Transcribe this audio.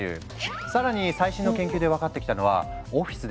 更に最新の研究で分かってきたのはオフィスでの何気ない会話